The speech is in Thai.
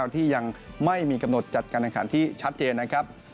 ที่ยังไม่มีกำหนดจัดการแข่งขันที่ชัดเจนนะครับ